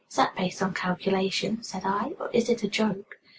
] "Is that based on calculation," said I, "or is it a joke?"